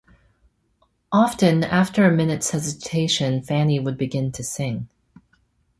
Often, after a minute’s hesitation, Fanny would begin to sing.